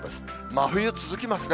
真冬続きますね。